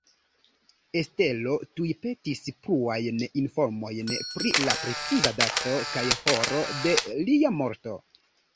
Estero tuj petis pluajn informojn pri la preciza dato kaj horo de lia morto.